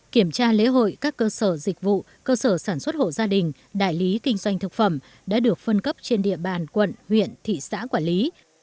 kiểm tra lễ hội các cơ sở dịch vụ cơ sở sản xuất hộ gia đình đại lý kinh doanh thực phẩm đã được phân cấp trên địa bàn quận huyện thị xã quản lý